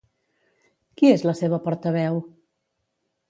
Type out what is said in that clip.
Qui és la seva portaveu?